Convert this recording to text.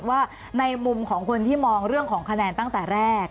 ว่าในมุมของคนที่มองเรื่องของคะแนนตั้งแต่แรก